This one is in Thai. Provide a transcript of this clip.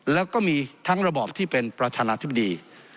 แล้วก็มีทั้งระบอบที่เป็นประธานาธิบดี